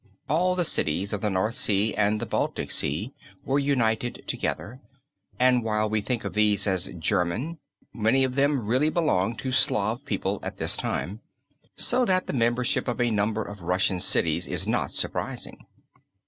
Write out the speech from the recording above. All the cities of the North Sea and the Baltic Sea were united together, and while we think of these as German, many of them really belonged to Slav people at this time, so that the membership of a number of Russian cities is not surprising.